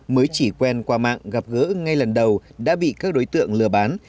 mới chỉ quen qua mạng gặp gỡ ngay lần đầu đã bị các đối tượng lừa bán